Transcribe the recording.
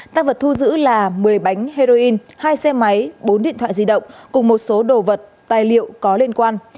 tăng vật thu giữ là một mươi bánh heroin hai xe máy bốn điện thoại di động cùng một số đồ vật tài liệu có liên quan